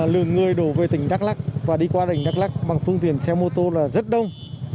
lượng người đổ về tỉnh đắk lóc và đi qua đỉnh đắk lóc bằng phương tiện xe mô tô là rất đông